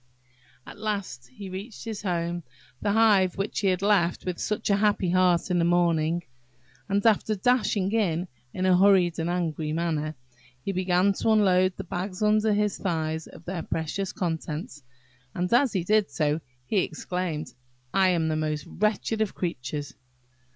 At last he reached his home–the hive which he had left with such a happy heart in the morning–and, after dashing in, in a hurried and angry manner, he began to unload the bags under his thighs of their precious contents, and as he did so he exclaimed, "I am the most wretched of creatures!"